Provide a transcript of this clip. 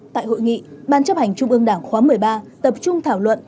tại hội nghị ban chấp hành trung ương đảng khóa một mươi ba tập trung thảo luận